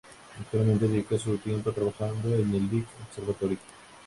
Actualmente dedica su tiempo trabajando en el Lick Observatory.